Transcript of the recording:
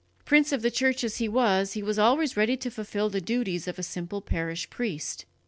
Prince of the Church as he was, he was always ready to fulfil the duties of a simple parish priest.